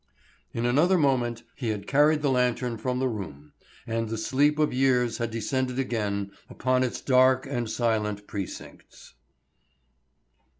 In another moment he had carried the lantern from the room, and the sleep of years had descended again upon its dark and silent precincts.